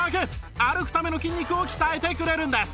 歩くための筋肉を鍛えてくれるんです